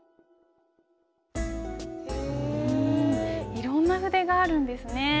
うんいろんな筆があるんですね。